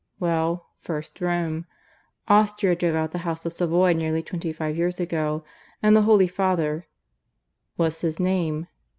"Well, first Rome. Austria drove out the House of Savoy nearly twenty five years ago; and the Holy Father " "What's his name?"